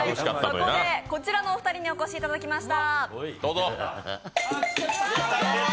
そこでこちらのお二人にお越しいただきました。